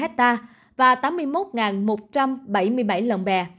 ba ba trăm chín mươi ha và tám mươi một một trăm bảy mươi bảy lồng bè